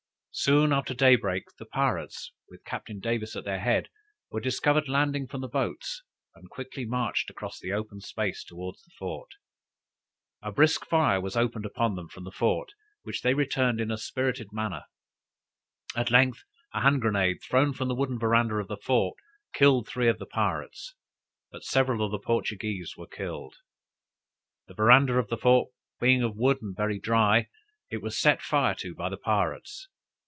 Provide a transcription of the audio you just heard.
Soon after day break, the pirates, with Captain Davis at their head were discovered landing from the boats; and quickly marched across the open space toward the fort. A brisk fire was opened upon them from the fort, which they returned in a spirited manner. At length, a hand grenade, thrown from the wooden veranda of the fort killed three of the pirates; but several of the Portuguese were killed. The veranda of the fort being of wood and very dry, it was set fire to by the pirates.